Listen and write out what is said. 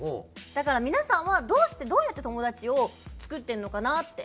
だから皆さんはどうしてどうやって友達を作ってるのかなって。